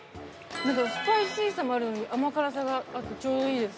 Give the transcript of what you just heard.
スパイシーさもあるので甘辛さがあってちょうどいいです。